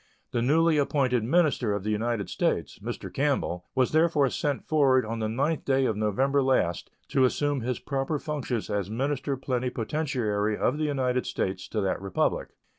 The newly appointed minister of the United States, Mr. Campbell, was therefore sent forward on the 9th day of November last to assume his proper functions as minister plenipotentiary of the United States to that Republic.